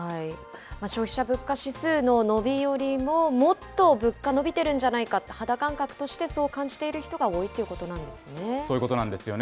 消費者物価指数の伸びよりも、もっと物価伸びてるんじゃないか、肌感覚としてそう感じている人が多いということなんですね。